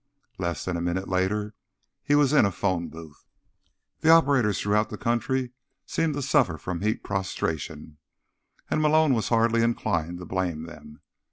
Less than a minute later he was in a phone booth. The operators throughout the country seemed to suffer from heat prostration, and Malone was hardly inclined to blame them.